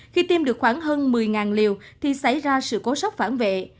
khi tiêm được khoảng hơn một mươi liều thì xảy ra sự cố sốc phản vệ